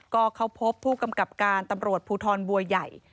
ก็เข้าพบผู้กำกับการตำรวจภูทรบัวใหญ่